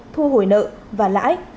thu hồi nợ và lãi